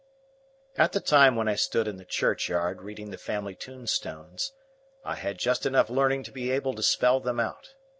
At the time when I stood in the churchyard reading the family tombstones, I had just enough learning to be able to spell them out.